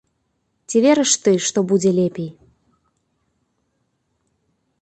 Ці верыш ты, што будзе лепей?